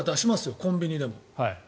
コンビニでも。